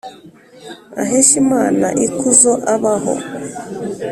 aheshe Imana ikuzo abaho